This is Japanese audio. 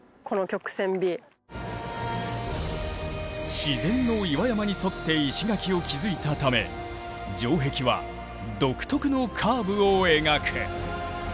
自然の岩山に沿って石垣を築いたため城壁は独特のカーブを描く。